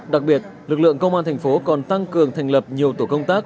đặc biệt lực lượng công an thành phố còn tăng cường thành lập nhiều tổ công tác